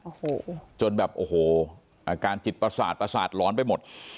โอ้โหจนแบบโอ้โหอาการจิตประสาทประสาทร้อนไปหมด